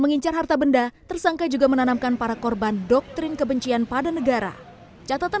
mengincar harta benda tersangka juga menanamkan para korban doktrin kebencian pada negara catatan